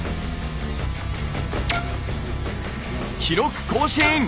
記録更新！